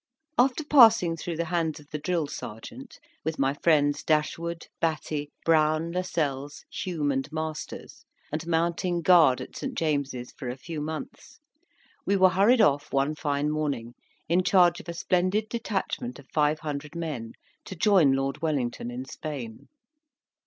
After passing through the hands of the drill sergeant with my friends Dashwood, Batty, Browne, Lascelles, Hume, and Masters, and mounting guard at St. James's for a few months, we were hurried off, one fine morning, in charge of a splendid detachment of five hundred men to join Lord Wellington in Spain.